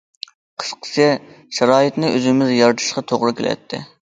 قىسقىسى، شارائىتنى ئۆزىمىز يارىتىشقا توغرا كېلەتتى.